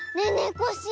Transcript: コッシー